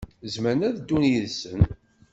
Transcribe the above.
Zemren ad ddun yid-sen.